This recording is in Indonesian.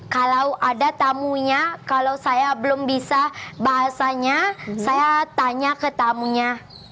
kalau ada tamunya kalau saya belum bisa bahasanya saya tanya ke tamunya